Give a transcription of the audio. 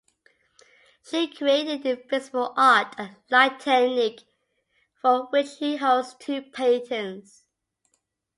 She created the "Invisible Art and Light Technique" for which she holds two patents.